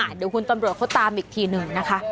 เดี๋ยวคุณตำรวจเขาตามอีกทีหนึ่งนะคะ